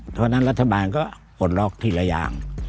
เพราะฉะนั้นรัฐบาลก็ปลดล็อกทีละอย่าง